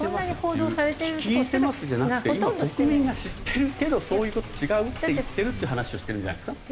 「聞いてます」っていう「聞いてます」じゃなくて今国民が知ってるけどそういう事とは違うって言ってるって話をしてるんじゃないですか？